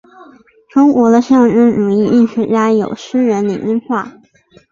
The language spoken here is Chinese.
中国的象征主义艺术家有诗人李金发。